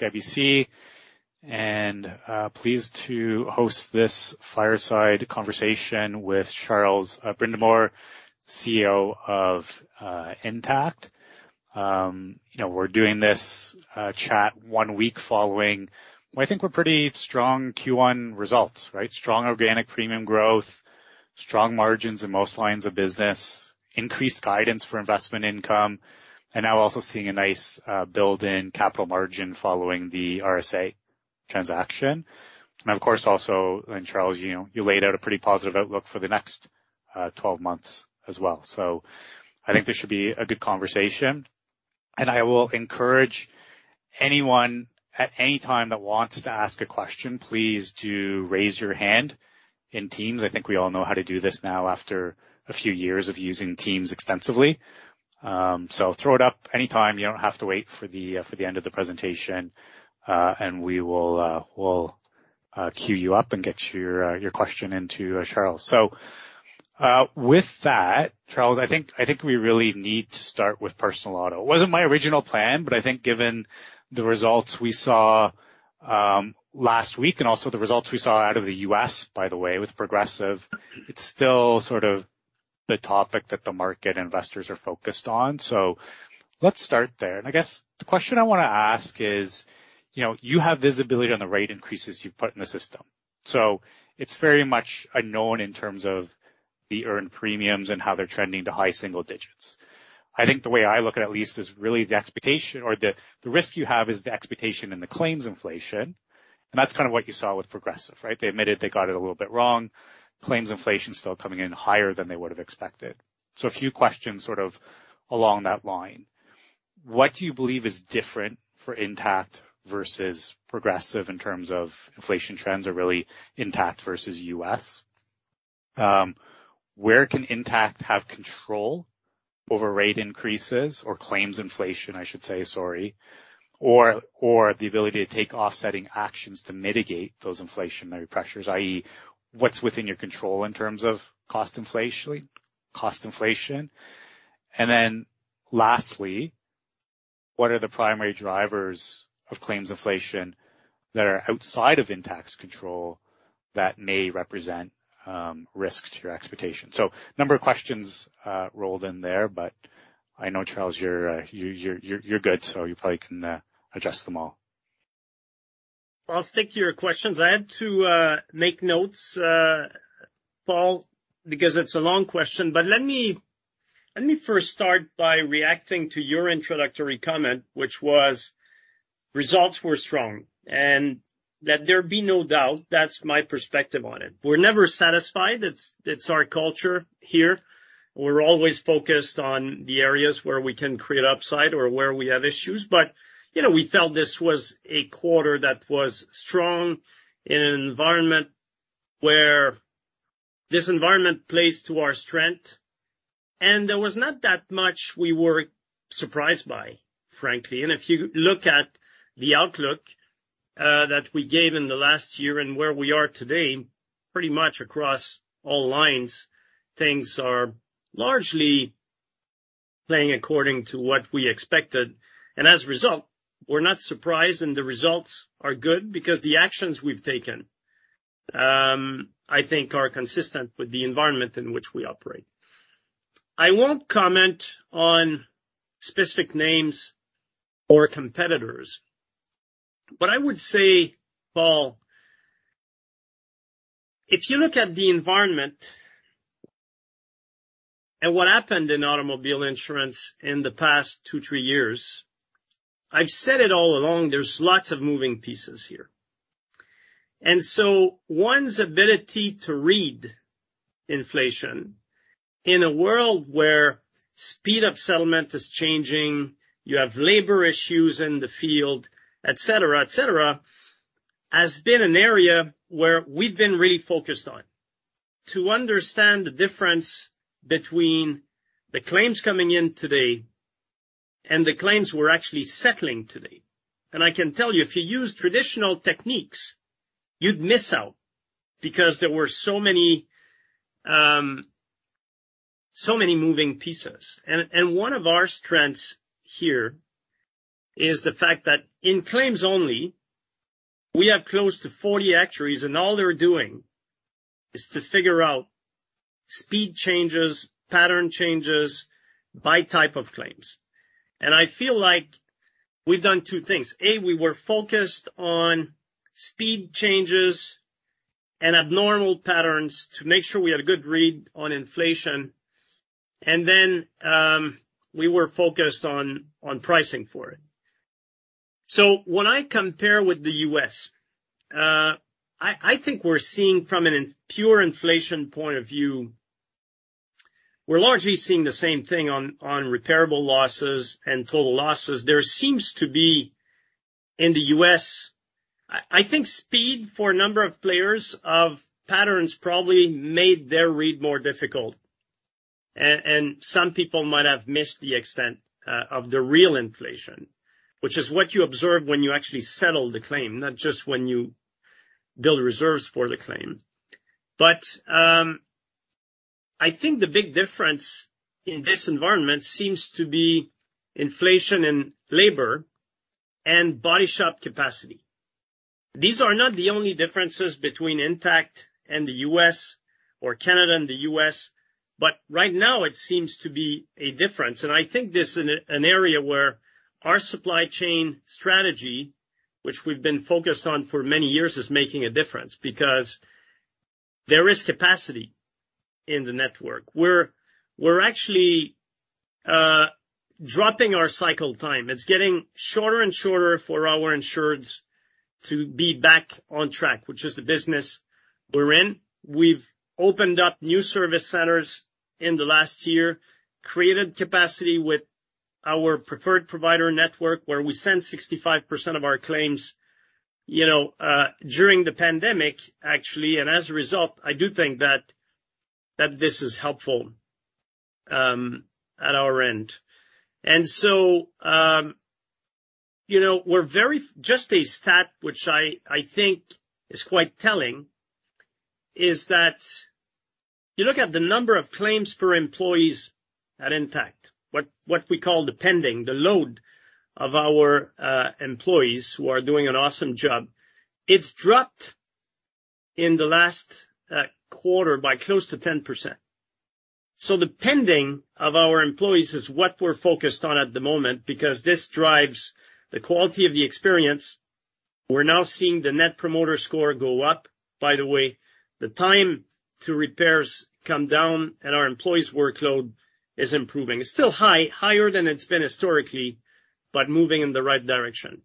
CIBC, pleased to host this fireside conversation with Charles Brindamour, CEO of Intact. You know, we're doing this chat one week following, well, I think were pretty strong Q1 results, right? Strong organic premium growth, strong margins in most lines of business, increased guidance for investment income, now also seeing a nice build-in capital margin following the RSA transaction. Of course, also, Charles, you know, you laid out a pretty positive outlook for the next 12 months as well. I think this should be a good conversation, and I will encourage anyone at any time that wants to ask a question, please do raise your hand in Teams. I think we all know how to do this now, after a few years of using Teams extensively. Throw it up anytime. You don't have to wait for the end of the presentation, and we will, we'll queue you up and get your question into Charles. With that, Charles, I think we really need to start with personal auto. It wasn't my original plan, but I think given the results we saw last week, and also the results we saw out of the U.S., by the way, with Progressive, it's still sort of the topic that the market investors are focused on. Let's start there. I guess the question I wanna ask is, you know, you have visibility on the rate increases you've put in the system, so it's very much unknown in terms of the earned premiums and how they're trending to high single digits. I think the way I look at least, is really the expectation or the risk you have is the expectation and the claims inflation, and that's kind of what you saw with Progressive, right? They admitted they got it a little bit wrong. Claims inflation is still coming in higher than they would have expected. A few questions sort of along that line: What do you believe is different for Intact versus Progressive in terms of inflation trends or really Intact versus U.S.? Where can Intact have control over rate increases or claims inflation, I should say, or the ability to take offsetting actions to mitigate those inflationary pressures, i.e., what's within your control in terms of cost inflation? Lastly, what are the primary drivers of claims inflation that are outside of Intact's control that may represent risk to your expectations? A number of questions rolled in there, but I know, Charles, you're good, so you probably can address them all. Well, I'll stick to your questions. I had to make notes, Paul, because it's a long question, but let me first start by reacting to your introductory comment, which was, results were strong, and that there be no doubt, that's my perspective on it. We're never satisfied. It's our culture here. We're always focused on the areas where we can create upside or where we have issues. You know, we felt this was a quarter that was strong in an environment where this environment plays to our strength, and there was not that much we were surprised by, frankly. If you look at the outlook that we gave in the last year and where we are today, pretty much across all lines, things are largely playing according to what we expected. As a result, we're not surprised, and the results are good because the actions we've taken, I think are consistent with the environment in which we operate. I won't comment on specific names or competitors, but I would say, Paul, if you look at the environment and what happened in automobile insurance in the past 2, 3 years, I've said it all along, there's lots of moving pieces here. One's ability to read inflation in a world where speed of settlement is changing, you have labor issues in the field, et cetera, et cetera, has been an area where we've been really focused on to understand the difference between the claims coming in today and the claims we're actually settling today. I can tell you, if you use traditional techniques, you'd miss out because there were so many, so many moving pieces. One of our strengths here is the fact that in claims only, we have close to 40 actuaries, and all they're doing is to figure out speed changes, pattern changes by type of claims. I feel like we've done two things: A, we were focused on speed changes and abnormal patterns to make sure we had a good read on inflation. Then, we were focused on pricing for it. When I compare with the U.S., I think we're seeing from a pure inflation point of view, we're largely seeing the same thing on repairable losses and total losses. There seems to be, in the U.S., I think speed for a number of players of patterns probably made their read more difficult, and some people might have missed the extent of the real inflation, which is what you observe when you actually settle the claim, not just when you build reserves for the claim. I think the big difference in this environment seems to be inflation in labor and body shop capacity. These are not the only differences between Intact and the U.S. or Canada and the U.S., but right now it seems to be a difference. I think this is an area where our supply chain strategy, which we've been focused on for many years, is making a difference because there is capacity in the network. We're actually dropping our cycle time. It's getting shorter and shorter for our insureds to be back on track, which is the business we're in. We've opened up new service centers in the last year, created capacity with our preferred provider network, where we send 65% of our claims, you know, during the pandemic, actually, and as a result, I do think that this is helpful at our end. You know, just a stat, which I think is quite telling, is that you look at the number of claims per employees at Intact, what we call the pending, the load of our employees who are doing an awesome job. It's dropped in the last quarter by close to 10%. The pending of our employees is what we're focused on at the moment, because this drives the quality of the experience. We're now seeing the Net Promoter Score go up, by the way, the time to repairs come down, and our employees' workload is improving. It's still high, higher than it's been historically, but moving in the right direction.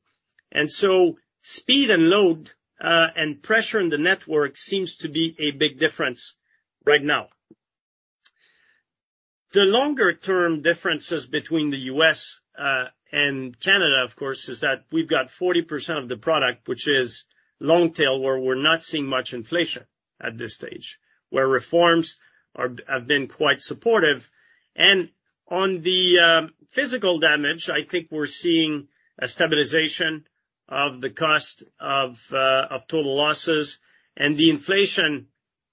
Speed and load, and pressure in the network seems to be a big difference right now. The longer-term differences between the U.S. and Canada, of course, is that we've got 40% of the product, which is long tail, where we're not seeing much inflation at this stage, where reforms have been quite supportive. On the physical damage, I think we're seeing a stabilization of the cost of total losses, and the inflation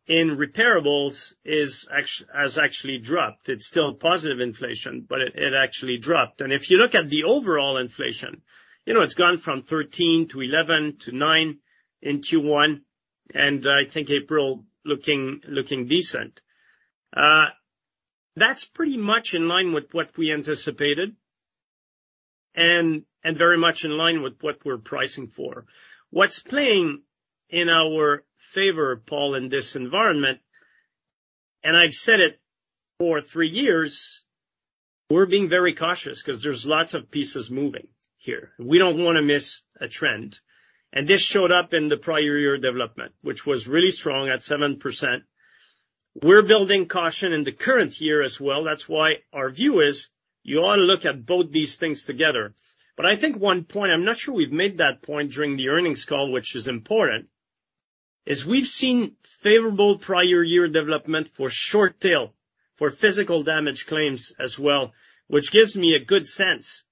in repairables has actually dropped. It's still positive inflation, but it actually dropped. If you look at the overall inflation, you know, it's gone from 13%-11%,11%-9% in Q1, and I think April looking decent. That's pretty much in line with what we anticipated and very much in line with what we're pricing for. What's playing in our favor, Paul, in this environment, and I've said it for three years, we're being very cautious 'cause there's lots of pieces moving here. We don't wanna miss a trend. This showed up in the prior year development, which was really strong at 7%. We're building caution in the current year as well. That's why our view is: you ought to look at both these things together. I think 1 point, I'm not sure we've made that point during the Earnings Call, which is important, is we've seen favorable prior year development for short tail, for physical damage claims as well, which gives me a good sense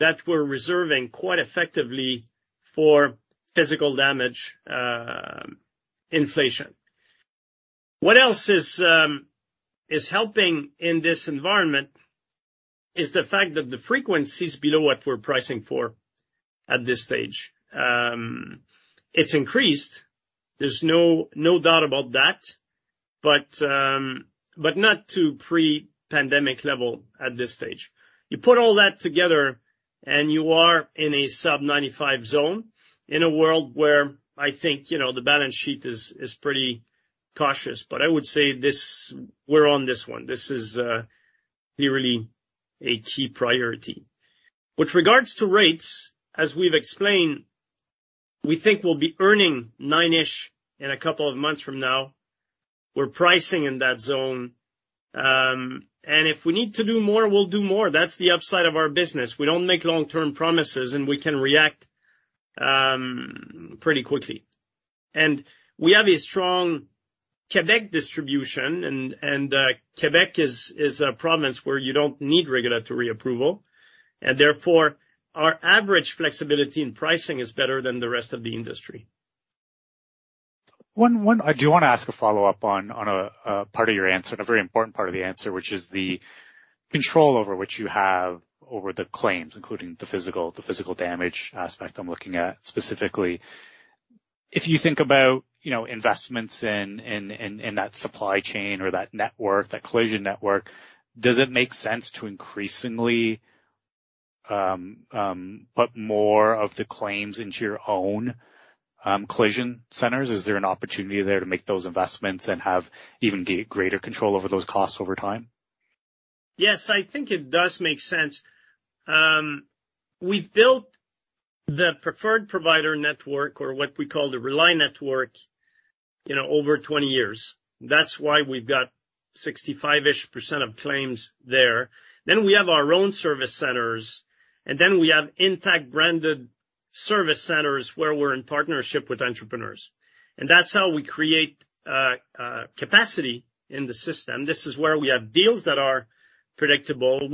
that we're reserving quite effectively for physical damage inflation. What else is helping in this environment is the fact that the frequency is below what we're pricing for at this stage. It's increased, there's no doubt about that, but not to pre-pandemic level at this stage. You put all that together, and you are in a sub-95 zone, in a world where I think, you know, the balance sheet is pretty cautious. I would say this, we're on this one. This is really a key priority. With regards to rates, as we've explained, we think we'll be earning nine-ish in a couple of months from now. We're pricing in that zone. If we need to do more, we'll do more. That's the upside of our business. We don't make long-term promises, and we can react pretty quickly. We have a strong Quebec distribution, and Quebec is a province where you don't need regulatory approval, and therefore, our average flexibility in pricing is better than the rest of the industry. One, I do wanna ask a follow-up on a part of your answer, and a very important part of the answer, which is the control over which you have over the claims, including the physical damage aspect I'm looking at specifically. If you think about, you know, investments in that supply chain or that network, that collision network, does it make sense to increasingly put more of the claims into your own collision centers? Is there an opportunity there to make those investments and have even greater control over those costs over time? Yes, I think it does make sense. We've built the preferred provider network or what we call the Rely Network, you know, over 20 years. That's why we've got 65-ish% of claims there. We have our own service centers, and then we have Intact-branded service centers where we're in partnership with entrepreneurs. That's how we create capacity in the system. This is where we have deals that are predictable.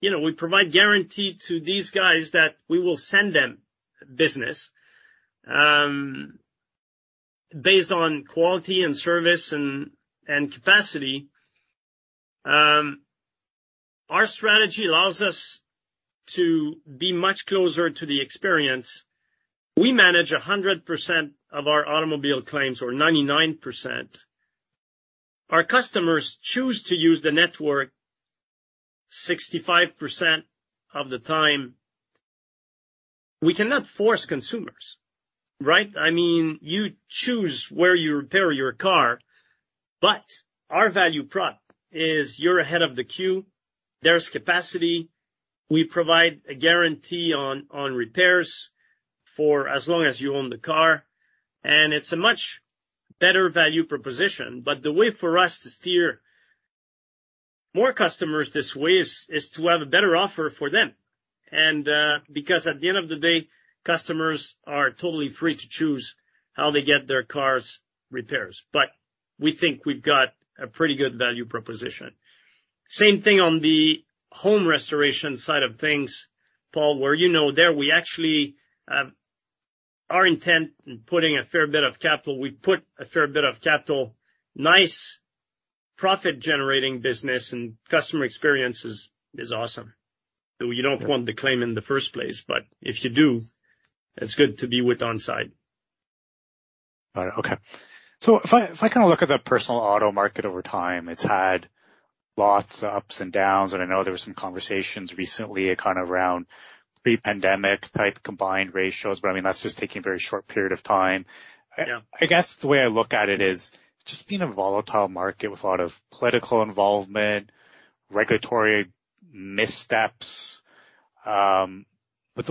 You know, we provide guarantee to these guys that we will send them business based on quality and service and capacity. Our strategy allows us to be much closer to the experience. We manage 100% of our automobile claims, or 99%. Our customers choose to use the network 65% of the time. We cannot force consumers, right? I mean, you choose where you repair your car, but our value prop is you're ahead of the queue. There's capacity. We provide a guarantee on repairs for as long as you own the car. It's a much better value proposition. The way for us to steer more customers this way is to have a better offer for them. Because at the end of the day, customers are totally free to choose how they get their cars repairs. We think we've got a pretty good value proposition. Same thing on the home restoration side of things, Paul, where, you know, there we actually, our intent in putting a fair bit of capital. We put a fair bit of capital, nice profit-generating business, and customer experience is awesome. You don't want the claim in the first place, but if you do, it's good to be with On Side. All right. Okay. If I kind of look at the personal auto market over time, it's had lots of ups and downs, and I know there were some conversations recently, kind of around pre-pandemic type combined ratios, but I mean, that's just taking a very short period of time. Yeah. I guess the way I look at it is just being a volatile market with a lot of political involvement, regulatory missteps. You're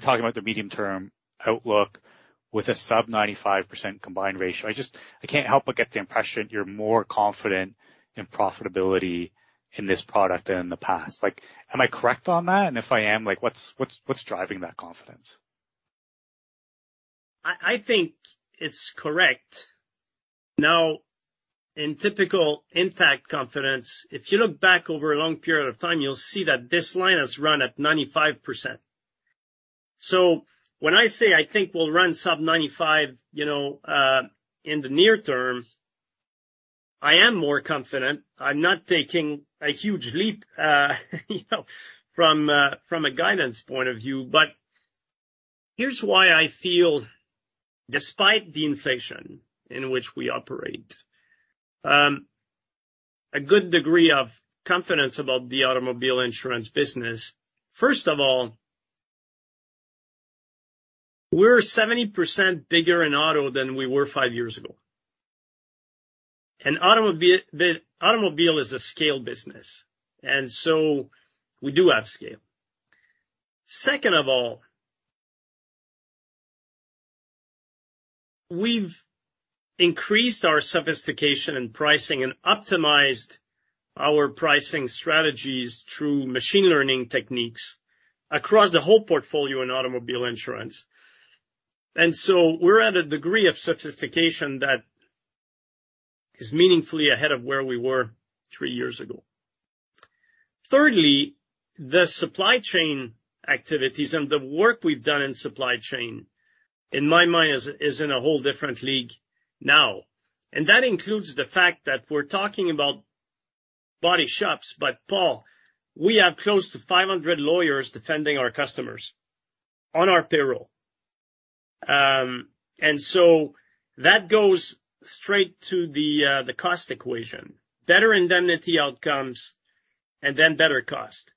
talking about the medium-term outlook with a sub 95% combined ratio. I just, I can't help but get the impression you're more confident in profitability in this product than in the past. Like, am I correct on that? If I am, like, what's driving that confidence? I think it's correct. In typical Intact confidence, if you look back over a long period of time, you'll see that this line has run at 95%. When I say I think we'll run sub 95, you know, in the near term, I am more confident. I'm not taking a huge leap, you know, from a guidance point of view, here's why I feel, despite the inflation in which we operate, a good degree of confidence about the automobile insurance business. First of all, we're 70% bigger in auto than we were five years ago. The automobile is a scale business, we do have scale. Second of all, we've increased our sophistication in pricing and optimized our pricing strategies through machine learning techniques across the whole portfolio in automobile insurance. We're at a degree of sophistication that is meaningfully ahead of where we were three years ago. Thirdly, the supply chain activities and the work we've done in supply chain, in my mind, is in a whole different league now. That includes the fact that we're talking about body shops. Paul, we have close to 500 lawyers defending our customers on our payroll. That goes straight to the cost equation. Better indemnity outcomes and then better cost.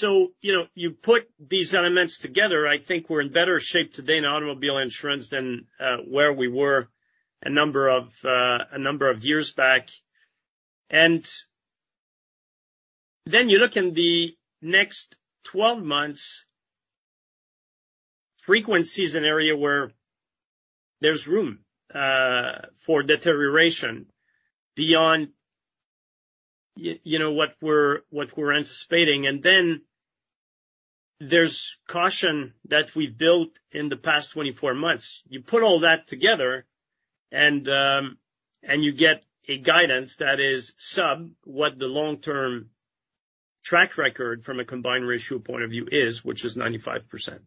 You know, you put these elements together, I think we're in better shape today in automobile insurance than where we were a number of years back. You look in the next 12 months, frequency is an area where there's room for deterioration beyond you know, what we're anticipating. There's caution that we've built in the past 24 months. You put all that together, and you get a guidance that is sub what the long-term track record from a combined ratio point of view is, which is 95%.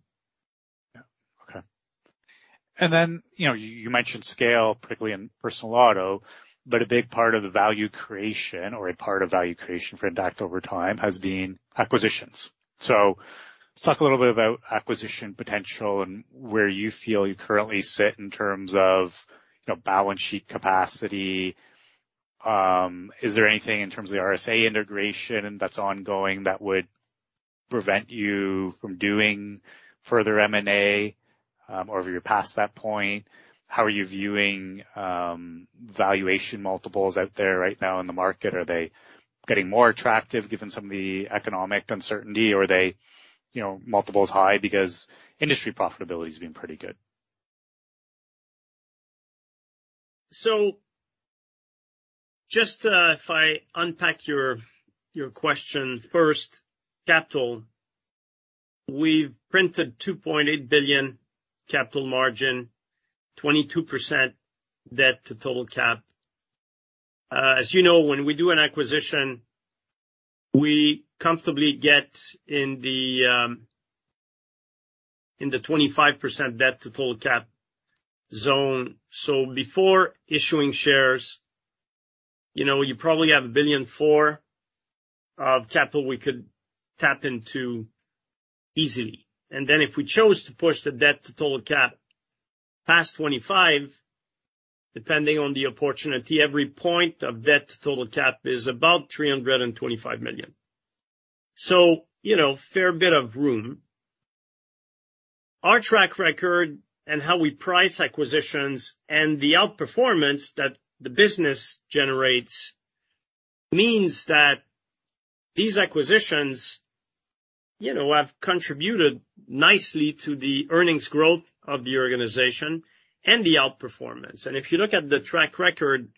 Yeah. Okay. You know, you mentioned scale, particularly in personal auto, but a big part of the value creation or a part of value creation for Intact over time has been acquisitions. Let's talk a little bit about acquisition potential and where you feel you currently sit in terms of, you know, balance sheet capacity. Is there anything in terms of the RSA integration that's ongoing that would prevent you from doing further M&A? Have you passed that point? How are you viewing valuation multiples out there right now in the market? Are they getting more attractive given some of the economic uncertainty? Are they, you know, multiples high because industry profitability has been pretty good? Just, if I unpack your question first. We've printed 2.8 billion capital margin, 22% debt to total cap. As you know, when we do an acquisition, we comfortably get in the 25% debt to total cap zone. Before issuing shares, you know, you probably have 1.4 billion of capital we could tap into easily. If we chose to push the debt to total cap past 25, depending on the opportunity, every point of debt to total cap is about 325 million. You know, fair bit of room. Our track record and how we price acquisitions and the outperformance that the business generates means that these acquisitions, you know, have contributed nicely to the earnings growth of the organization and the outperformance. If you look at the track record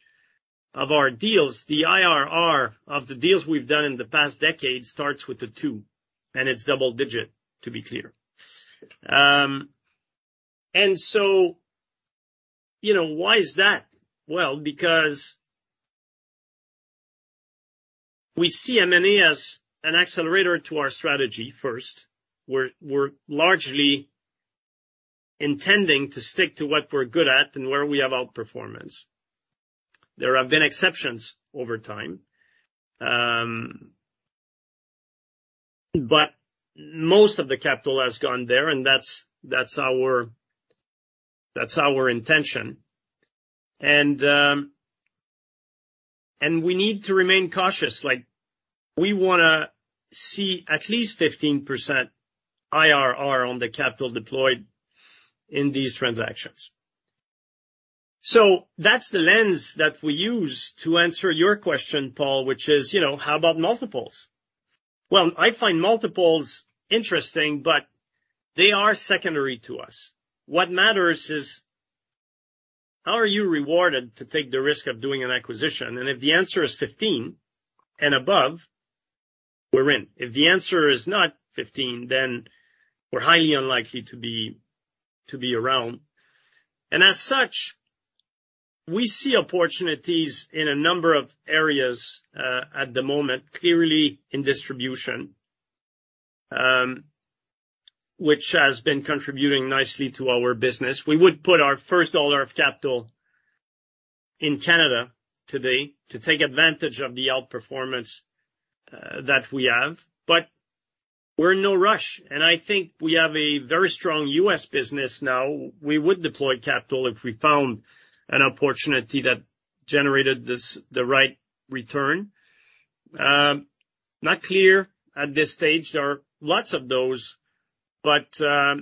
of our deals, the IRR of the deals we've done in the past decade starts with the two, and it's double digit, to be clear. You know, why is that? Well, because we see M&A as an accelerator to our strategy first. We're largely intending to stick to what we're good at and where we have outperformance. There have been exceptions over time, but most of the capital has gone there, and that's our intention. We need to remain cautious. Like, we wanna see at least 15% IRR on the capital deployed in these transactions. That's the lens that we use to answer your question, Paul, which is, you know, how about multiples? Well, I find multiples interesting, but they are secondary to us. What matters is, how are you rewarded to take the risk of doing an acquisition? If the answer is 15% and above, we're in. If the answer is not 15, then we're highly unlikely to be around. As such, we see opportunities in a number of areas at the moment, clearly in distribution, which has been contributing nicely to our business. We would put our first dollar of capital in Canada today to take advantage of the outperformance that we have, but we're in no rush, and I think we have a very strong U.S. business now. We would deploy capital if we found an opportunity that generated this, the right return. Not clear at this stage. There are lots of those, but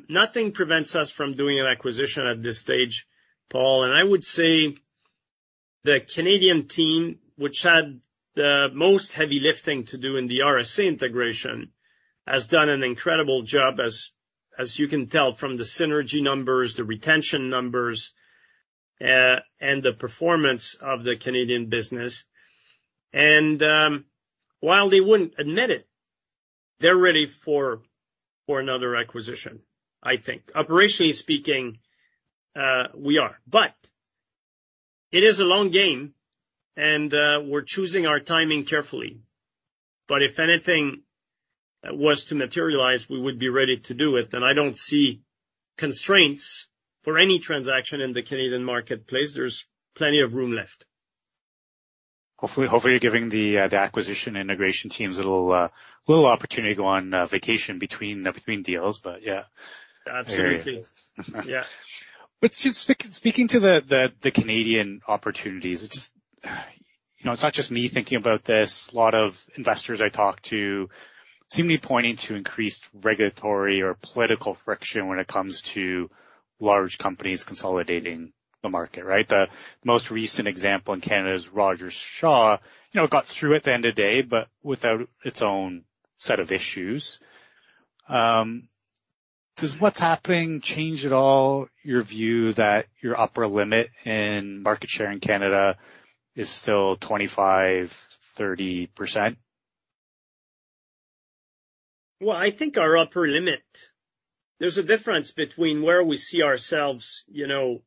nothing prevents us from doing an acquisition at this stage, Paul. I would say the Canadian team, which had the most heavy lifting to do in the RSA integration, has done an incredible job, as you can tell from the synergy numbers, the retention numbers, and the performance of the Canadian business. While they wouldn't admit it, they're ready for another acquisition, I think. Operationally speaking, we are. It is a long game, and we're choosing our timing carefully. If anything was to materialize, we would be ready to do it, and I don't see constraints for any transaction in the Canadian marketplace. There's plenty of room left. Hopefully, you're giving the acquisition integration teams a little opportunity to go on vacation between deals. Yeah. Absolutely. Yeah. Just speaking to the Canadian opportunities, it's just, you know, it's not just me thinking about this. A lot of investors I talk to seem to be pointing to increased regulatory or political friction when it comes to large companies consolidating the market, right? The most recent example in Canada is Rogers Shaw. You know, it got through at the end of the day, but without its own set of issues. Does what's happening change at all your view that your upper limit in market share in Canada is still 25%, 30%? Well, I think our upper limit, there's a difference between where we see ourselves, you know,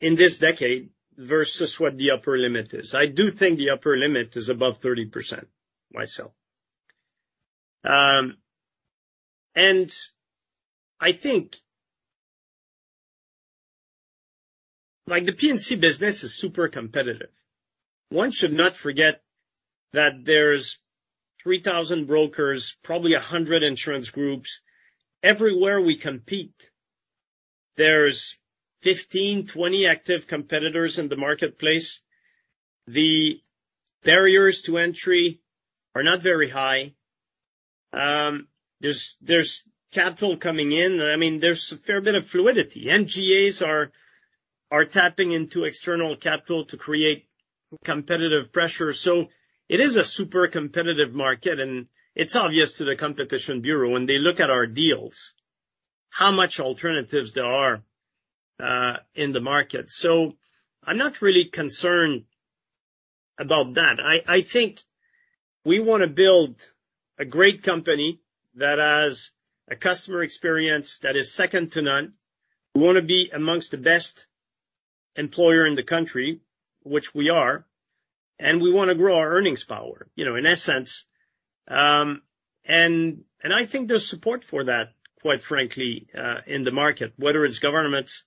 in this decade versus what the upper limit is. I do think the upper limit is above 30% myself. I think Like, the P&C business is super competitive. One should not forget that there's 3,000 brokers, probably 100 insurance groups. Everywhere we compete, there's 15 active competitors, 20 active competitors in the marketplace. The barriers to entry are not very high. There's, there's capital coming in. I mean, there's a fair bit of fluidity. MGAs are tapping into external capital to create competitive pressure. It is a super competitive market, and it's obvious to the Competition Bureau when they look at our deals how much alternatives there are in the market. I'm not really concerned about that. I think we wanna build a great company that has a customer experience that is second to none. We wanna be amongst the best employer in the country, which we are, and we wanna grow our earnings power, you know, in essence. And I think there's support for that, quite frankly, in the market, whether it's governments,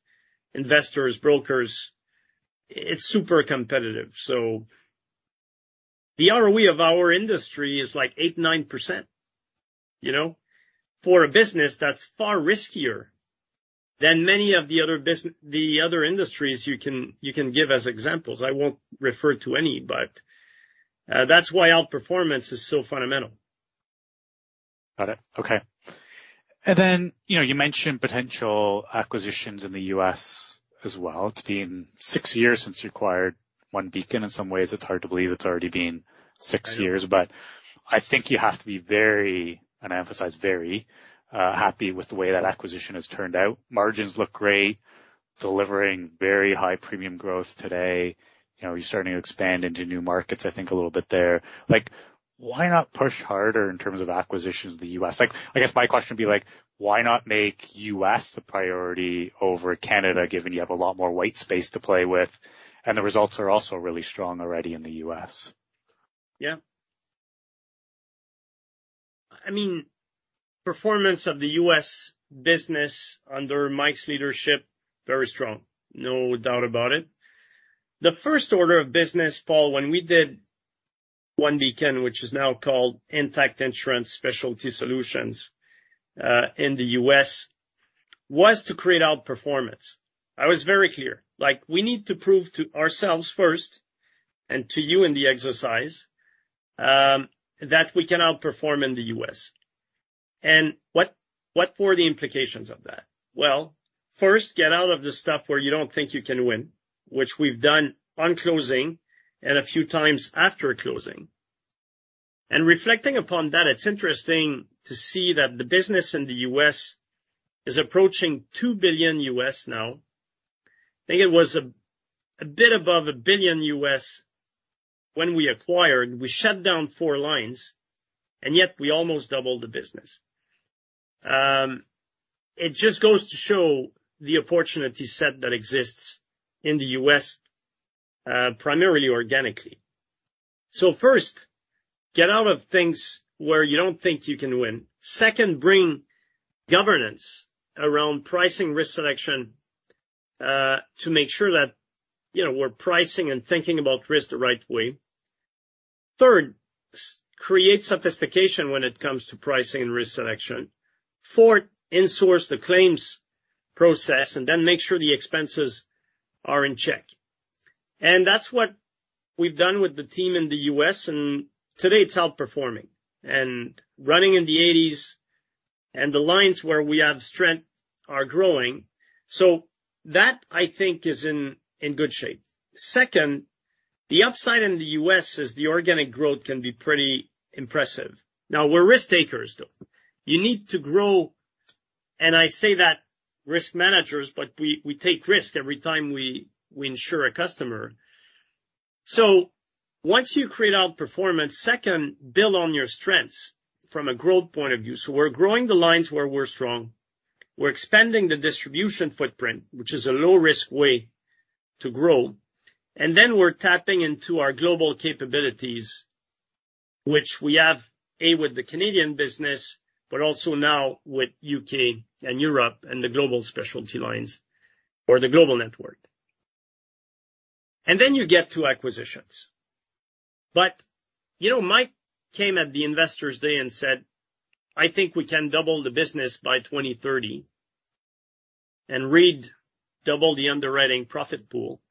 investors, brokers, it's super competitive. The ROE of our industry is like 8%-9%, you know? For a business that's far riskier than many of the other industries you can give as examples. I won't refer to any, but that's why outperformance is so fundamental. Got it. Okay. You know, you mentioned potential acquisitions in the U.S. as well. It's been six years since you acquired OneBeacon. In some ways, it's hard to believe it's already been six years, but I think you have to be very, and I emphasize, very, happy with the way that acquisition has turned out. Margins look great, delivering very high premium growth today. You know, you're starting to expand into new markets, I think, a little bit there. Like, why not push harder in terms of acquisitions in the U.S.? Like, I guess my question would be like, why not make U.S. the priority over Canada, given you have a lot more white space to play with, and the results are also really strong already in the U.S.? Yeah. I mean, performance of the U.S. business under Mike's leadership, very strong, no doubt about it. The first order of business, Paul, when we did OneBeacon, which is now called Intact Insurance Specialty Solutions, in the U.S., was to create outperformance. I was very clear, like, we need to prove to ourselves first and to you in the exercise, that we can outperform in the U.S. What were the implications of that? Well, first, get out of the stuff where you don't think you can win, which we've done on closing and a few times after closing. Reflecting upon that, it's interesting to see that the business in the U.S. is approaching $2 billion U.S. now. I think it was a bit above $1 billion U.S. when we acquired. We shut down four lines, yet we almost doubled the business. It just goes to show the opportunity set that exists in the U.S., primarily organically. First, get out of things where you don't think you can win. Second, bring governance around pricing risk selection, to make sure that, you know, we're pricing and thinking about risk the right way. Third, create sophistication when it comes to pricing and risk selection. Fourth, insource the claims process and then make sure the expenses are in check. That's what we've done with the team in the U.S., and today it's outperforming and running in the 80s, and the lines where we have strength are growing. That, I think, is in good shape. Second, the upside in the U.S. is the organic growth can be pretty impressive. We're risk takers, though. You need to grow, and I say that, risk managers, but we take risks every time we insure a customer. Once you create outperformance, second, build on your strengths from a growth point of view. We're growing the lines where we're strong, we're expanding the distribution footprint, which is a low-risk way to grow, and then we're tapping into our global capabilities, which we have, A, with the Canadian business, but also now with UK and Europe and the Global Specialty Lines or the global network. You get to acquisitions. You know, Mike came at the Investor Day and said, "I think we can double the business by 2030," and read double the underwriting profit pool.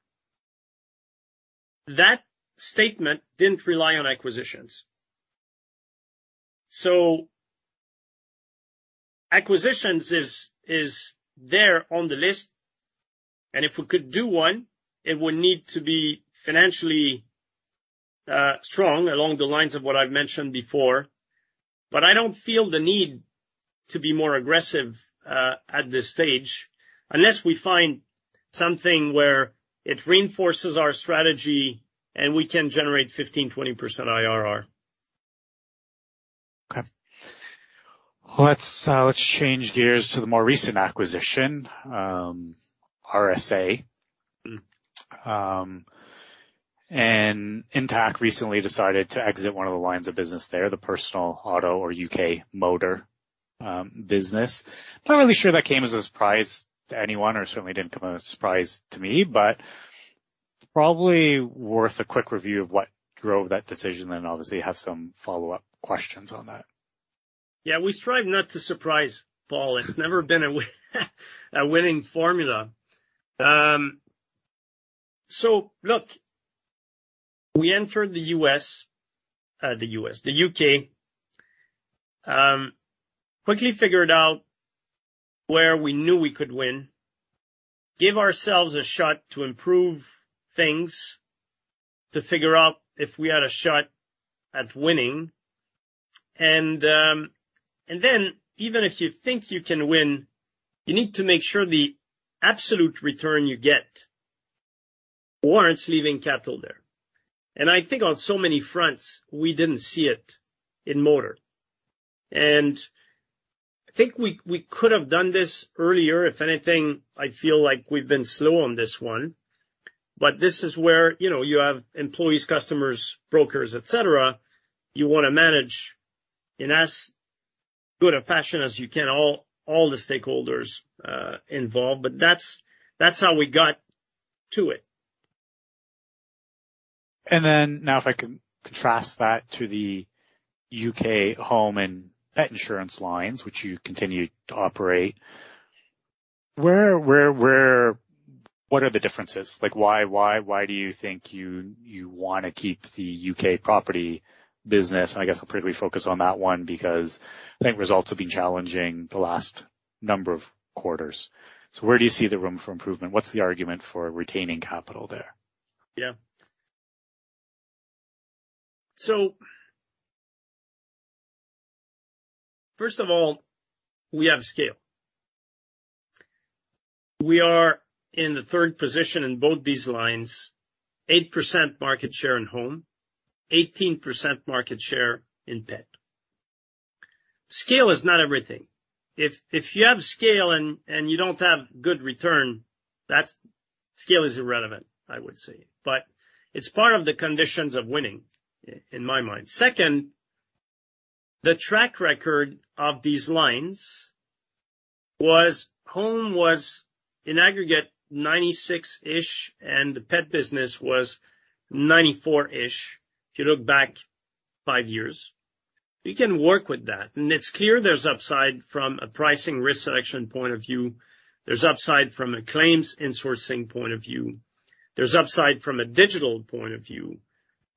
That statement didn't rely on acquisitions. Acquisitions is there on the list, and if we could do one, it would need to be financially strong along the lines of what I've mentioned before. I don't feel the need to be more aggressive at this stage, unless we find something where it reinforces our strategy, and we can generate 15%-20% IRR. Okay. Let's change gears to the more recent acquisition, RSA. Intact recently decided to exit one of the lines of business there, the personal auto or UK motor business. Not really sure that came as a surprise to anyone, or certainly didn't come as a surprise to me, but probably worth a quick review of what drove that decision, and obviously have some follow-up questions on that. Yeah, we strive not to surprise, Paul. It's never been a winning formula. Look, we entered the U.S., the U.S., the U.K., quickly figured out where we knew we could win. Give ourselves a shot to improve things, to figure out if we had a shot at winning. Then even if you think you can win, you need to make sure the absolute return you get warrants leaving capital there. I think on so many fronts, we didn't see it in motor. I think we could have done this earlier. If anything, I feel like we've been slow on this one, but this is where, you know, you have employees, customers, brokers, et cetera, you wanna manage in as good a fashion as you can, all the stakeholders involved. That's how we got to it. Now, if I can contrast that to the UK home and pet insurance lines, which you continue to operate, What are the differences? Like, why do you think you wanna keep the UK property business? I guess I'll probably focus on that one because I think results have been challenging the last number of quarters. Where do you see the room for improvement? What's the argument for retaining capital there? Yeah. First of all, we have scale. We are in the 3rd position in both these lines, 8% market share in home, 18% market share in pet. Scale is not everything. If you have scale and you don't have good return, that's scale is irrelevant, I would say. It's part of the conditions of winning in my mind. second, the track record of these lines was, home was in aggregate 96-ish, and the pet business was 94-ish, if you look back 5 years. You can work with that, it's clear there's upside from a pricing risk selection point of view. There's upside from a claims insourcing point of view. There's upside from a digital point of view,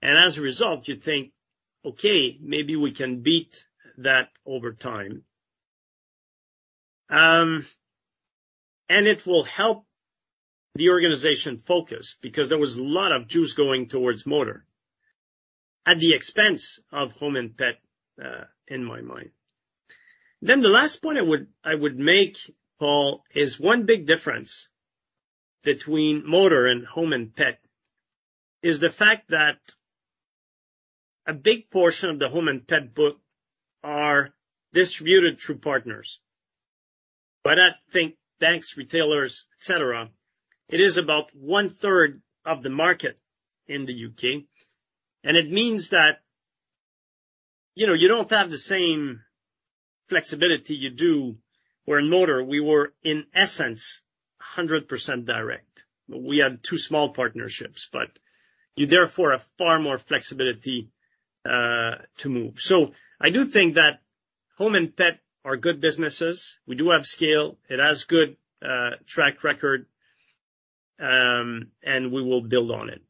as a result, you think, okay, maybe we can beat that over time. It will help the organization focus because there was a lot of juice going towards motor at the expense of home and pet in my mind. The last point I would make, Paul, is one big difference between motor and home and pet is the fact that a big portion of the home and pet book are distributed through partners. By that, think banks, retailers, et cetera. It is about 1/3 of the market in the U.K., it means that, you know, you don't have the same flexibility you do, where in motor we were, in essence, 100% direct. We had two small partnerships, you therefore have far more flexibility to move. I do think that home and pet are good businesses. We do have scale. It has good track record, we will build on it.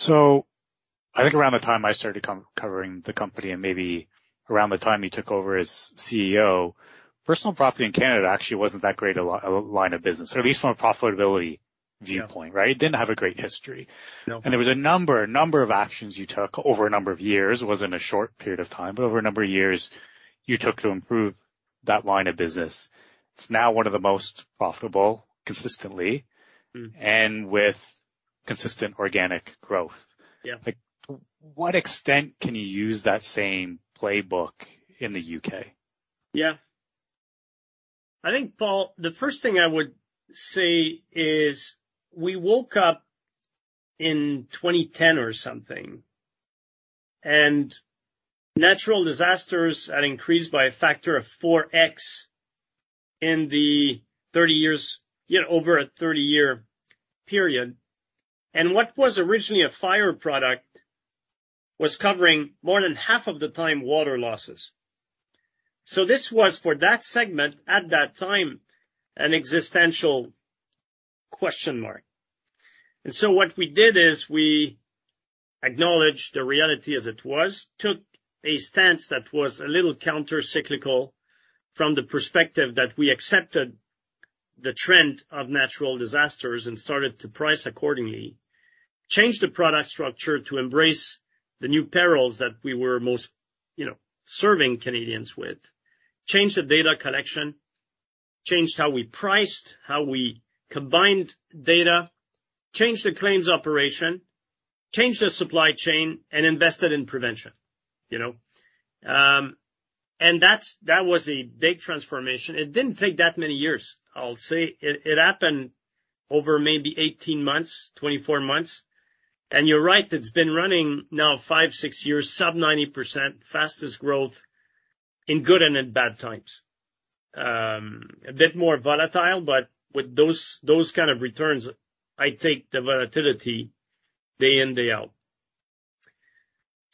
I think around the time I started covering the company and maybe around the time you took over as CEO, personal property in Canada actually wasn't that great a line of business, or at least from a profitability viewpoint, right? Yeah. It didn't have a great history. No. There was a number of actions you took over a number of years. It wasn't a short period of time, but over a number of years, you took to improve that line of business. It's now one of the most profitable. Mm-hmm... and with consistent organic growth. Yeah. Like, what extent can you use that same playbook in the U.K.? Yeah. I think, Paul, the first thing I would say is we woke up in 2010 or something. Natural disasters had increased by a factor of 4x in the 30 years, you know, over a 30-year period. What was originally a fire product was covering more than half of the time water losses. This was, for that segment at that time, an existential question mark. What we did is we acknowledged the reality as it was, took a stance that was a little countercyclical from the perspective that we accepted the trend of natural disasters and started to price accordingly. Changed the product structure to embrace the new perils that we were most, you know, serving Canadians with. Changed the data collection, changed how we priced, how we combined data, changed the claims operation, changed the supply chain and invested in prevention, you know. That's, that was a big transformation. It didn't take that many years. I'll say it happened over maybe 18 months, 24 months. You're right, it's been running now five, six years, sub 90%, fastest growth in good and in bad times. A bit more volatile, but with those kind of returns, I take the volatility day in, day out.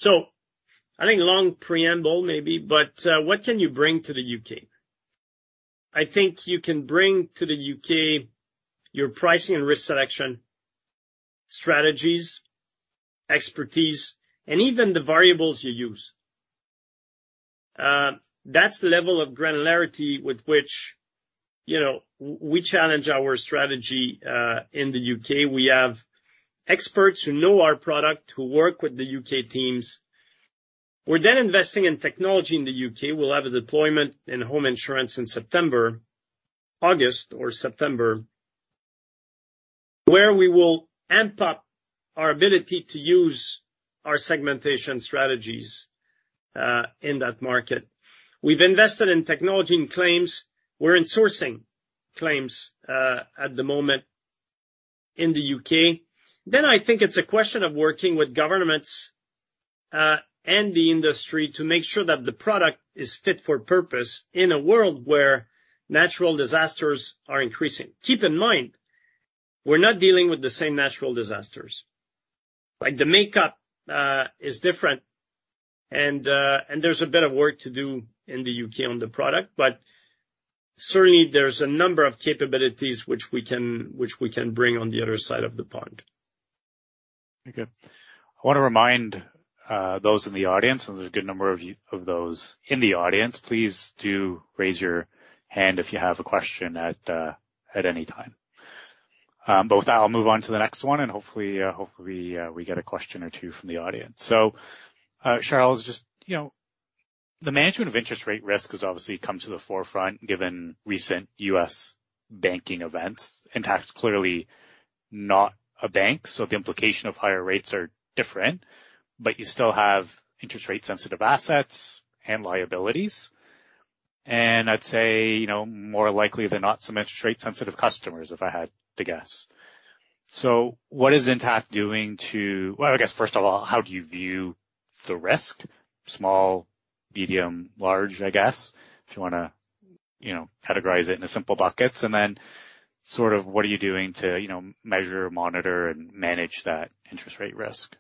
I think long preamble, maybe, but what can you bring to the U.K.? I think you can bring to the U.K. your pricing and risk selection, strategies, expertise, and even the variables you use. That's the level of granularity with which, you know, we challenge our strategy, in the U.K. We have experts who know our product, who work with the U.K. teams. We're investing in technology in the U.K. We'll have a deployment in home insurance in September, August or September, where we will amp up our ability to use our segmentation strategies in that market. We've invested in technology and claims. We're in sourcing claims at the moment in the U.K. I think it's a question of working with governments and the industry to make sure that the product is fit for purpose in a world where natural disasters are increasing. Keep in mind, we're not dealing with the same natural disasters. Like, the makeup is different. There's a bit of work to do in the U.K. on the product, but certainly there's a number of capabilities which we can bring on the other side of the pond. Okay. I want to remind those in the audience, and there's a good number of you, of those in the audience, please do raise your hand if you have a question at any time. I'll move on to the next one, and hopefully, we get a question or two from the audience. Charles, just, you know, the management of interest rate risk has obviously come to the forefront, given recent U.S. banking events. Intact is clearly not a bank, the implication of higher rates are different, you still have interest rate-sensitive assets and liabilities. I'd say, you know, more likely than not, some interest rate-sensitive customers, if I had to guess. Well, I guess, first of all, how do you view the risk? Small, medium, large, I guess, if you wanna, you know, categorize it in a simple buckets, and then sort of, what are you doing to, you know, measure, monitor, and manage that interest rate risk?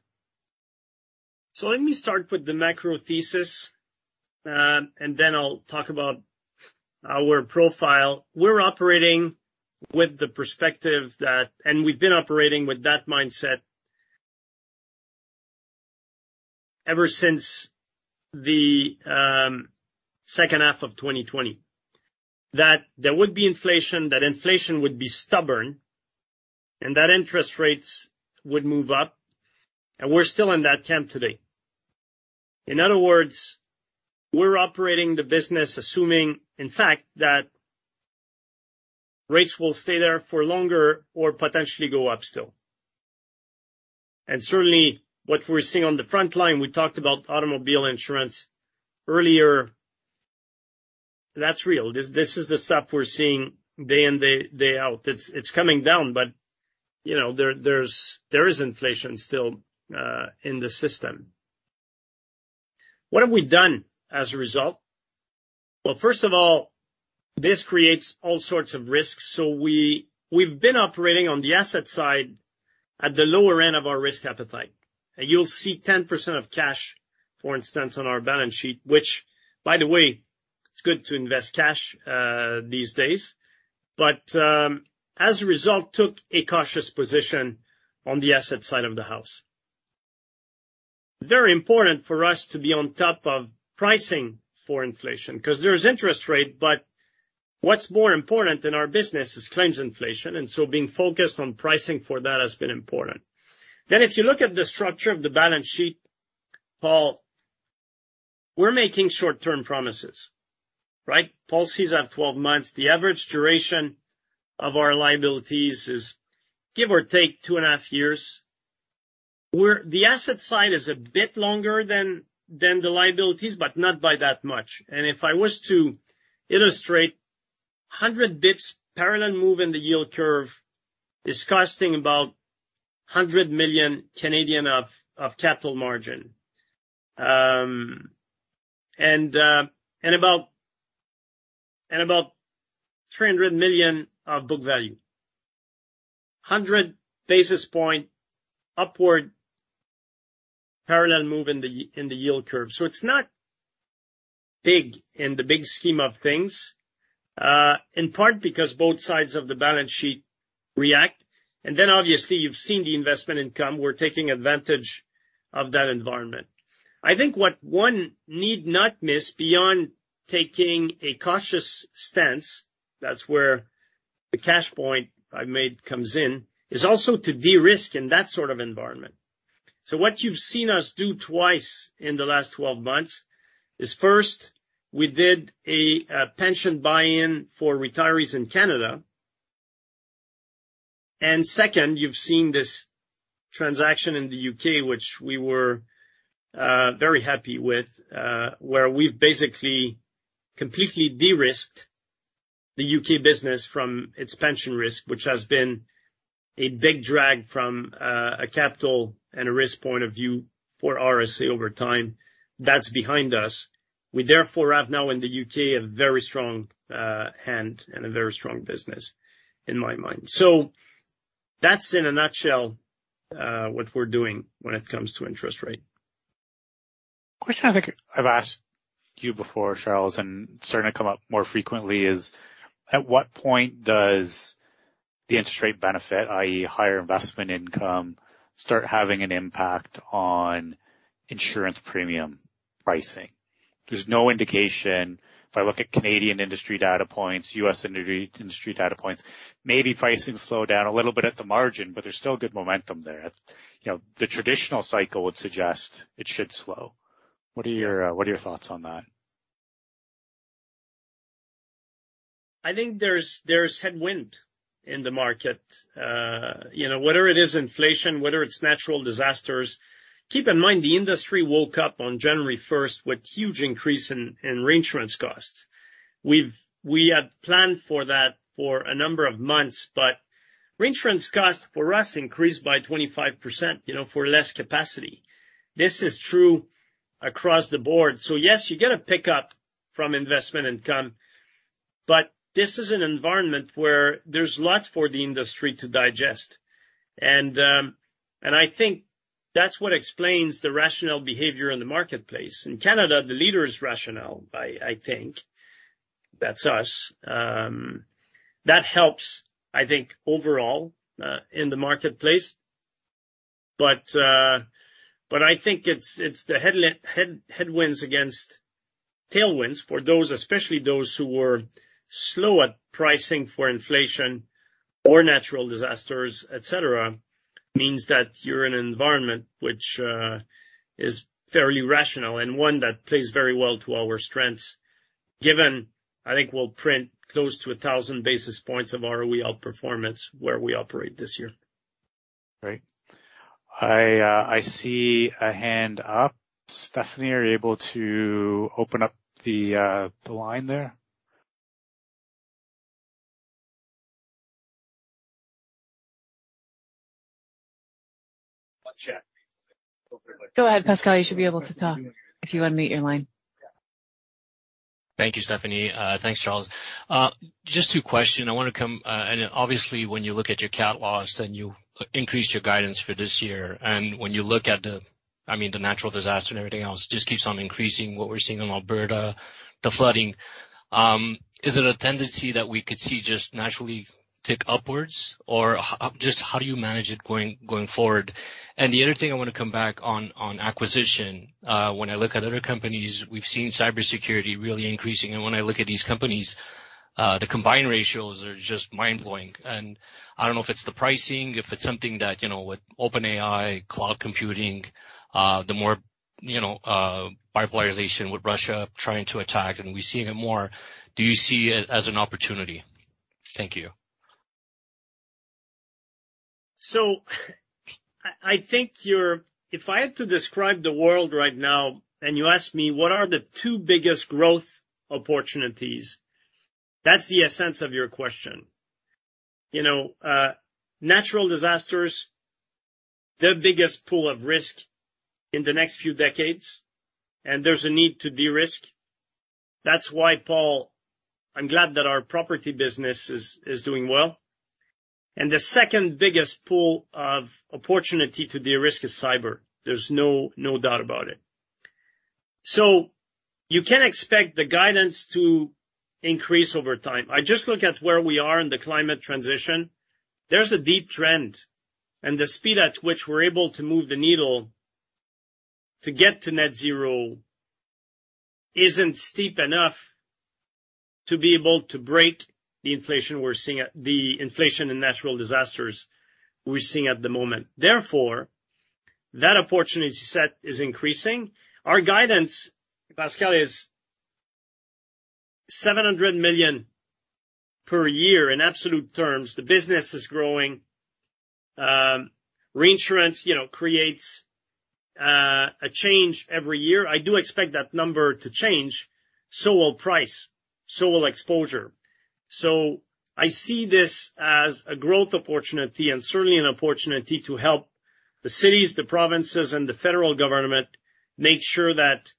Let me start with the macro thesis, and then I'll talk about our profile. We're operating with the perspective that, and we've been operating with that mindset ever since the second half of 2020, that there would be inflation, that inflation would be stubborn, and that interest rates would move up, and we're still in that camp today. In other words, we're operating the business, assuming, in fact, that rates will stay there for longer or potentially go up still. Certainly, what we're seeing on the front line, we talked about automobile insurance earlier. That's real. This is the stuff we're seeing day in, day out. It's coming down, but, you know, there is inflation still in the system. What have we done as a result? First of all, this creates all sorts of risks. We've been operating on the asset side at the lower end of our risk appetite. You'll see 10% of cash, for instance, on our balance sheet, which, by the way, it's good to invest cash these days. As a result, took a cautious position on the asset side of the house. Very important for us to be on top of pricing for inflation, 'cause there is interest rate, but what's more important in our business is claims inflation. Being focused on pricing for that has been important. If you look at the structure of the balance sheet, Paul, we're making short-term promises, right? Policies are 12 months. The average duration of our liabilities is, give or take, 2.5 years, where the asset side is a bit longer than the liabilities, but not by that much. If I was to illustrate, 100 bips, parallel move in the yield curve is costing about 100 million of capital margin. About 300 million of book value. 100 basis point upward, parallel move in the yield curve. It's not big in the big scheme of things, in part because both sides of the balance sheet react. Obviously, you've seen the investment income. We're taking advantage of that environment. I think what one need not miss, beyond taking a cautious stance, that's where the cash point I made comes in, is also to de-risk in that sort of environment. What you've seen us do twice in the last 12 months is, first, we did a pension buy-in for retirees in Canada. Second, you've seen this transaction in the U.K., which we were very happy with, where we've basically completely de-risked the U.K. business from its pension risk, which has been a big drag from a capital and a risk point of view for RSA over time. That's behind us. We therefore have now in the U.K., a very strong hand and a very strong business, in my mind. That's in a nutshell, what we're doing when it comes to interest rate. A question I think I've asked you before, Charles, and starting to come up more frequently is: At what point the interest rate benefit, i.e., higher investment income, start having an impact on insurance premium pricing? There's no indication. If I look at Canadian industry data points, U.S. industry data points, maybe pricing slowed down a little bit at the margin, but there's still good momentum there. You know, the traditional cycle would suggest it should slow. What are your, what are your thoughts on that? I think there's headwind in the market. You know, whether it is inflation, whether it's natural disasters. Keep in mind, the industry woke up on January first with huge increase in reinsurance costs. We had planned for that for a number of months, but reinsurance costs for us increased by 25%, you know, for less capacity. This is true across the board. Yes, you get a pickup from investment income, but this is an environment where there's lots for the industry to digest. I think that's what explains the rational behavior in the marketplace. In Canada, the leader is rationale, I think that's us. That helps, I think, overall, in the marketplace. I think it's the headwinds against tailwinds for those, especially those who were slow at pricing for inflation or natural disasters, et cetera, means that you're in an environment which is fairly rational and one that plays very well to our strengths, given, I think, we'll print close to 1,000 basis points of ROE outperformance where we operate this year. Great. I see a hand up. Stephanie, are you able to open up the line there? Go ahead, Pascal. You should be able to talk if you unmute your line. Thank you, Stephanie. Thanks, Charles. Just two question. I want to come, obviously, when you look at your cat loss, then you increased your guidance for this year. When you look at the, I mean, the natural disaster and everything else, just keeps on increasing, what we're seeing in Alberta, the flooding, is it a tendency that we could see just naturally tick upwards? Just how do you manage it going forward? The other thing I want to come back on acquisition. When I look at other companies, we've seen cybersecurity really increasing, when I look at these companies, the combined ratios are just mind-blowing. I don't know if it's the pricing, if it's something that, you know, with OpenAI, cloud computing, the more, you know, bipolarization, with Russia trying to attack, and we're seeing it more. Do you see it as an opportunity? Thank you. I think you're If I had to describe the world right now, and you ask me, "What are the two biggest growth opportunities?" That's the essence of your question. You know, natural disasters, the biggest pool of risk in the next few decades, and there's a need to de-risk. That's why, Paul, I'm glad that our property business is doing well. The second biggest pool of opportunity to de-risk is cyber. There's no doubt about it. You can expect the guidance to increase over time. I just look at where we are in the climate transition. There's a deep trend, the speed at which we're able to move the needle to get to net zero isn't steep enough to be able to break the inflation and natural disasters we're seeing at the moment. That opportunity set is increasing. Our guidance, Pascal, is 700 million per year in absolute terms. The business is growing. Reinsurance, you know, creates a change every year. I do expect that number to change. Will price, so will exposure. I see this as a growth opportunity and certainly an opportunity to help the cities, the provinces, and the federal government make sure that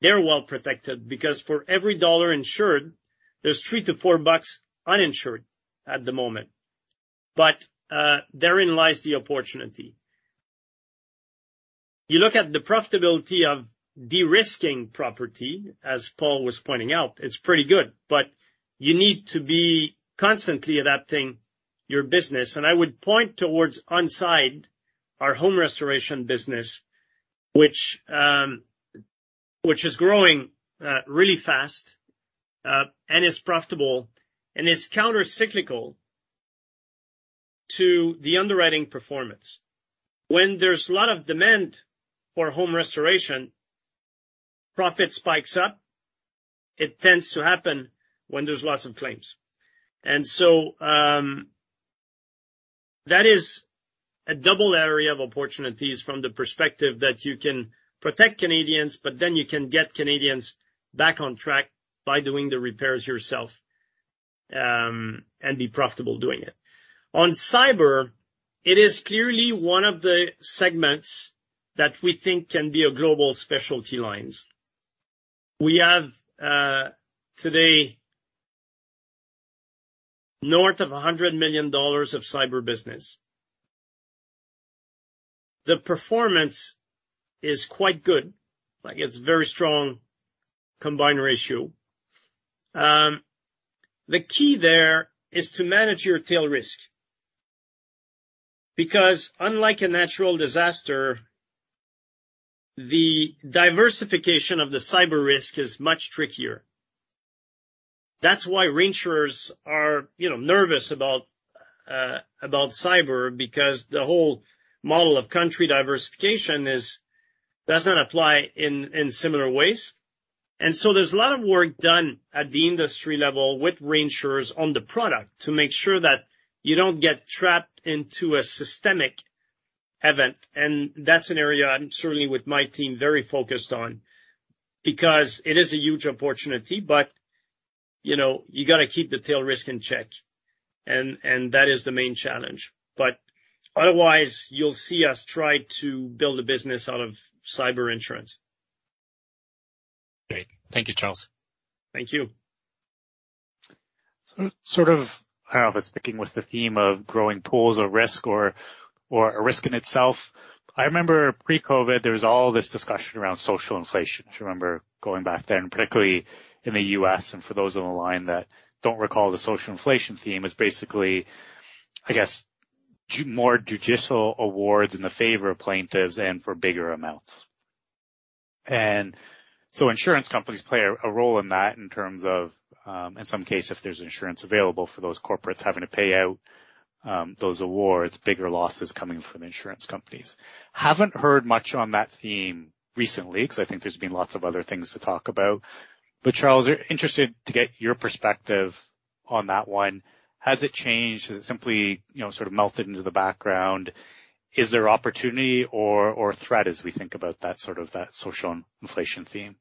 they're well protected, because for every CAD 1 insured, there's 3-4 bucks uninsured at the moment. Therein lies the opportunity. You look at the profitability of de-risking property, as Paul was pointing out, it's pretty good, but you need to be constantly adapting your business. I would point towards On Side, our home restoration business, which is growing really fast and is profitable and is countercyclical to the underwriting performance. When there's a lot of demand for home restoration, profit spikes up. It tends to happen when there's lots of claims. That is a double area of opportunities from the perspective that you can protect Canadians, but then you can get Canadians back on track by doing the repairs yourself, and be profitable doing it. On cyber, it is clearly one of the segments that we think can be a Global Specialty Lines. We have today, north of 100 million dollars of cyber business. The performance is quite good. Like, it's very strong combined ratio. The key there is to manage your tail risk, because unlike a natural disaster, the diversification of the cyber risk is much trickier. That's why reinsurers are, you know, nervous about cyber, because the whole model of country diversification is, does not apply in similar ways. There's a lot of work done at the industry level with reinsurers on the product to make sure that you don't get trapped into a systemic event. That's an area I'm certainly, with my team, very focused on, because it is a huge opportunity, but, you know, you got to keep the tail risk in check, and that is the main challenge. Otherwise, you'll see us try to build a business out of cyber insurance. Great. Thank you, Charles. Thank you. Sort of, I don't know if it's sticking with the theme of growing pools or risk or a risk in itself. I remember pre-COVID, there was all this discussion around social inflation. If you remember going back then, particularly in the U.S., and for those on the line that don't recall, the social inflation theme is basically, I guess, more judicial awards in the favor of plaintiffs and for bigger amounts. Insurance companies play a role in that in terms of, in some cases, if there's insurance available for those corporates having to pay out, those awards, bigger losses coming from insurance companies. Haven't heard much on that theme recently, because I think there's been lots of other things to talk about. Charles, I'm interested to get your perspective on that one. Has it changed? Has it simply, you know, sort of melted into the background? Is there opportunity or threat as we think about that, sort of, that social inflation theme?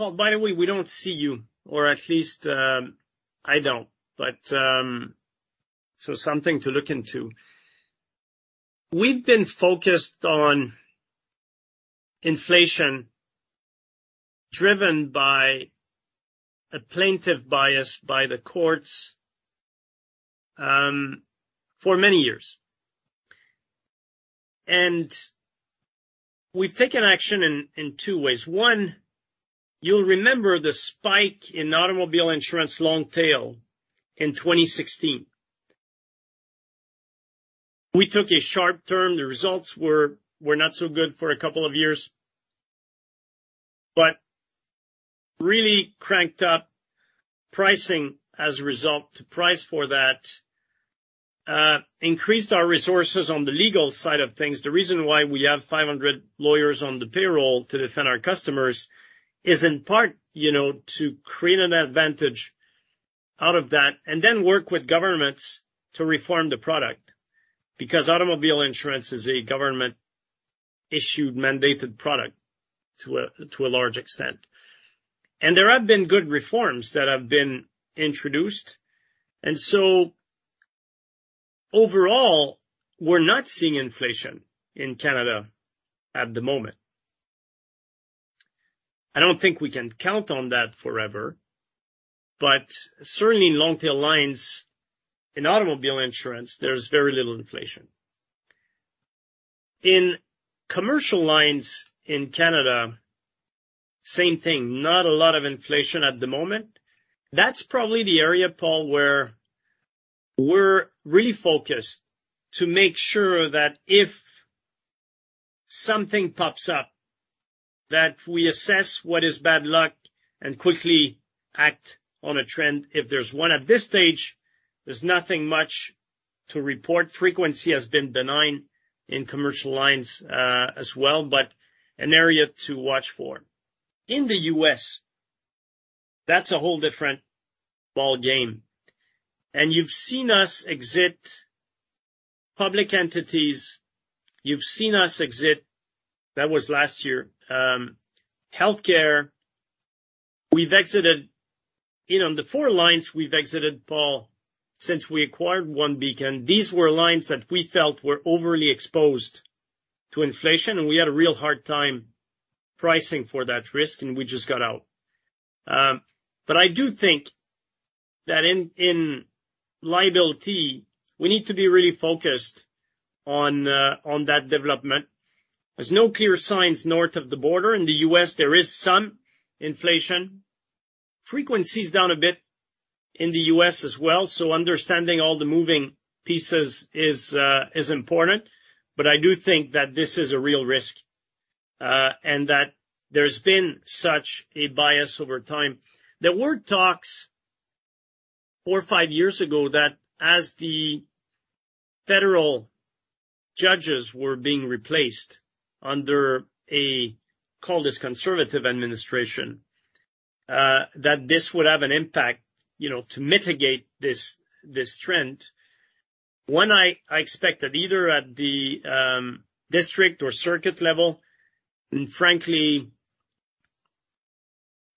Oh, by the way, we don't see you, or at least, I don't. Something to look into. We've been focused on inflation, driven by a plaintiff bias by the courts for many years. We've taken action in two ways. One, you'll remember the spike in automobile insurance long tail in 2016. We took a sharp turn. The results were not so good for a couple of years, but really cranked up pricing as a result to price for that, increased our resources on the legal side of things. The reason why we have 500 lawyers on the payroll to defend our customers is, in part, you know, to create an advantage out of that and then work with governments to reform the product, because automobile insurance is a government-issued, mandated product to a large extent. There have been good reforms that have been introduced, and so overall, we're not seeing inflation in Canada at the moment. I don't think we can count on that forever, but certainly in long tail lines, in automobile insurance, there's very little inflation. In commercial lines in Canada, same thing, not a lot of inflation at the moment. That's probably the area, Paul, where we're really focused to make sure that if something pops up, that we assess what is bad luck and quickly act on a trend, if there's one. At this stage, there's nothing much to report. Frequency has been benign in commercial lines, as well, but an area to watch for. In the US, that's a whole different ballgame. You've seen us exit public entities. You've seen us exit, that was last year, healthcare. We've exited, you know, the four lines we've exited, Paul, since we acquired OneBeacon. These were lines that we felt were overly exposed to inflation, and we had a real hard time pricing for that risk, and we just got out. I do think that in liability, we need to be really focused on that development. There's no clear signs north of the border. In the U.S., there is some inflation. Frequency is down a bit in the U.S. as well, so understanding all the moving pieces is important. I do think that this is a real risk, and that there's been such a bias over time. There were talks four, five years ago that as the federal judges were being replaced under a call this conservative administration, that this would have an impact, you know, to mitigate this trend. One, I expected either at the district or circuit level, and frankly,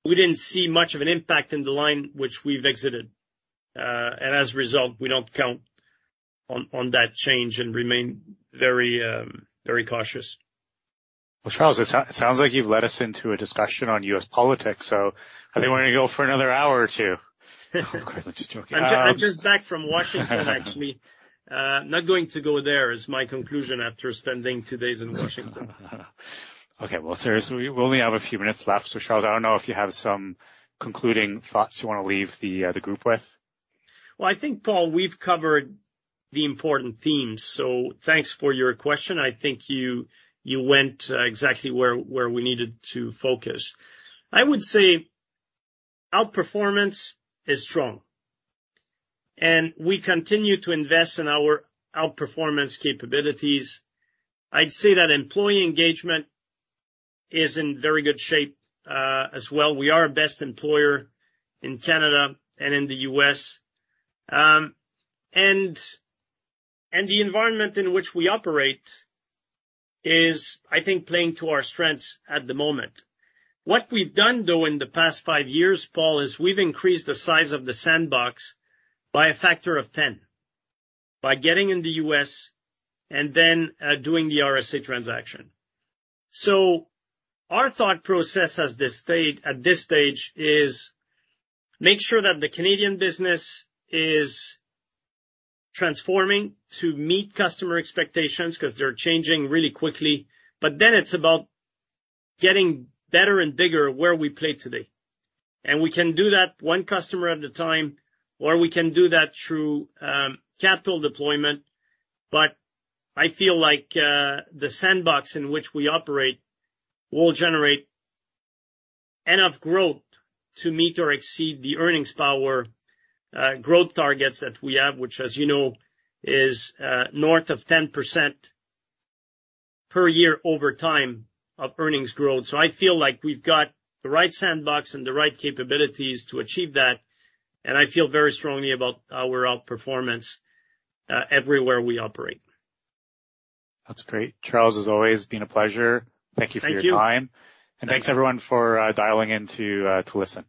we didn't see much of an impact in the line which we've exited. As a result, we don't count on that change and remain very cautious. ... Well, Charles, it sounds like you've led us into a discussion on U.S. politics, so I think we're gonna go for another hour or two. Of course, I'm just joking. I'm just back from Washington, actually. Not going to go there is my conclusion after spending two days in Washington. Okay, well, seriously, we only have a few minutes left, Charles, I don't know if you have some concluding thoughts you wanna leave the group with? Well, I think, Paul, we've covered the important themes, so thanks for your question. I think you went exactly where we needed to focus. I would say outperformance is strong, and we continue to invest in our outperformance capabilities. I'd say that employee engagement is in very good shape as well. We are a best employer in Canada and in the US. The environment in which we operate is, I think, playing to our strengths at the moment. What we've done, though, in the past five years, Paul, is we've increased the size of the sandbox by a factor of 10, by getting in the US and then doing the RSA transaction. Our thought process at this stage is make sure that the Canadian business is transforming to meet customer expectations, 'cause they're changing really quickly. It's about getting better and bigger where we play today. We can do that one customer at a time, or we can do that through capital deployment. I feel like the sandbox in which we operate will generate enough growth to meet or exceed the earnings power growth targets that we have, which, as you know, is north of 10% per year over time of earnings growth. I feel like we've got the right sandbox and the right capabilities to achieve that, and I feel very strongly about our outperformance everywhere we operate. That's great. Charles, as always, been a pleasure. Thank you. Thank you for your time. Thanks, everyone, for dialing in to listen.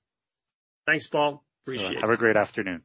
Thanks, Paul. Appreciate it. Have a great afternoon. You too.